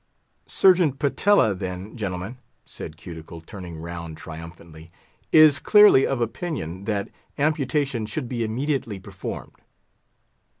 "Surgeon Patella, then, gentlemen," said Cuticle, turning round triumphantly, "is clearly of opinion that amputation should be immediately performed.